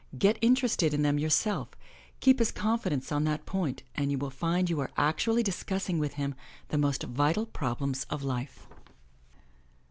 Get interested in them yourself, keep his confidence on that point and you will find you are actually discussing with him the most vital problems of life.